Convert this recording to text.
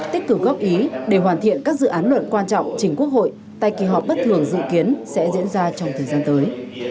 tích cực góp ý để hoàn thiện các dự án luật quan trọng chỉnh quốc hội tại kỳ họp bất thường dự kiến sẽ diễn ra trong thời gian tới